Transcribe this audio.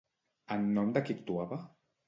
En nom de qui actuava?